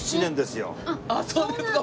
あっそうですか。